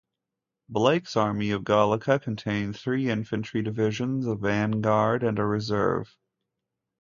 Blake's Army of Galicia contained three infantry divisions, a vanguard and a reserve.